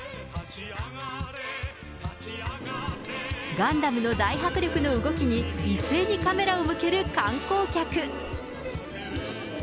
ガンダムの大迫力の動きに、一斉にカメラを向ける観光客。